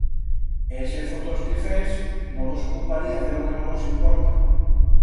Hésez otros quefers, no vos ocuparíaz de lo que no vos importa.